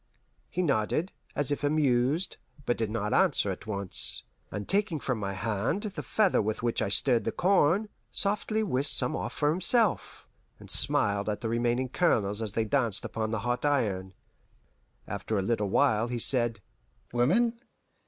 He nodded, as if amused, but did not answer at once, and taking from my hand the feather with which I stirred the corn, softly whisked some off for himself, and smiled at the remaining kernels as they danced upon the hot iron. After a little while he said, "Women?